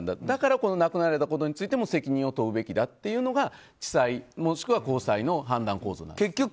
だからこの亡くなられたことについても責任を問うべきだというのが地裁、もしくは高裁の判断要素なわけです。